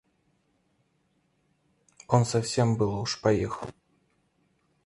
Он совсем было уж поехал.